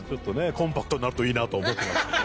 コンパクトになるといいなとは思ってましたけど。